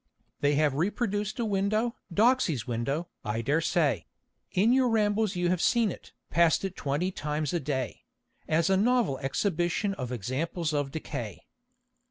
They have reproduced a window, Doxey's window, (I dare say In your rambles you have seen it, passed it twenty times a day,) As "A Novel Exhibition of Examples of Decay."